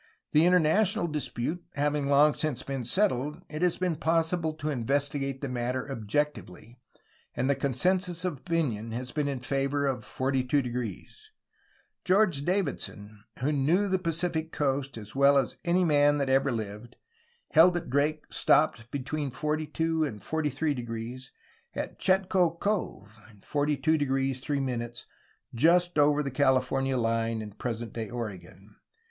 The international dispute having long since been settled, it has been possible to investigate the matter objectively, and the consensus of opinion has been in favor of 42°. George Davidson, who knew the Pacific coast as well as any man that ever Hved, held that Drake stopped between 42° and 43° at Chetko Cove in 42°, 3', just over the California line in present day Oregon.